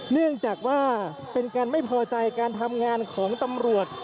เนื่องจากว่าเป็นการไม่พอใจการทำงานของตำรวจ